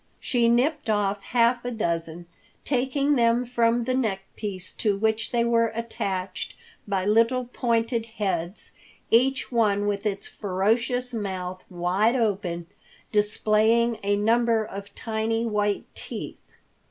She nipped off half a dozen, taking them from the neckpiece to which they were attached by little, pointed heads, each one with its ferocious mouth wide open displaying a number of tiny, white teeth.